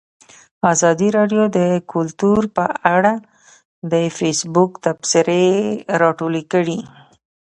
ازادي راډیو د کلتور په اړه د فیسبوک تبصرې راټولې کړي.